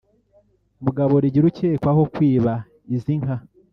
Mugaborigira ukekwaho kwiba izi nka